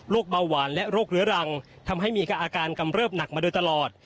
เบาหวานและโรคเรื้อรังทำให้มีอาการกำเริบหนักมาโดยตลอด